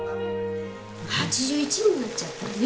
８１になっちゃったね。